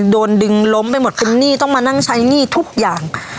โดนดึงล้มไปหมดเป็นหนี้ต้องมานั่งใช้หนี้ทุกอย่าง